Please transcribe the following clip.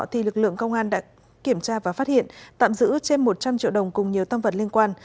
thì lực lượng công an đã kiểm tra và phát hiện tạm giữ trên một trăm linh triệu đồng cùng nhiều tâm vật liên quan